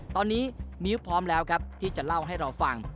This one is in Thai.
ตอนนี้มิ้วพร้อมแล้วครับที่จะเล่าให้เราฟัง